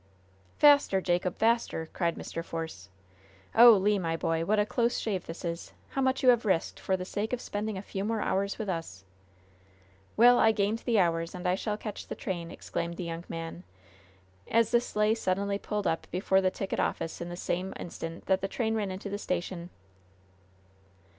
"Faster, Jacob! Faster!" cried Mr. Force. "Oh, Le, my boy, what a close shave this is! How much you have risked for the sake of spending a few more hours with us!" "Well, I gained the hours, and I shall catch the train!" exclaimed the young man, as the sleigh suddenly pulled up before the ticket office at the same instant that the train ran into the station.